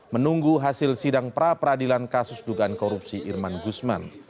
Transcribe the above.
menunggu hasil sidang pra peradilan kasus dugaan korupsi irman gusman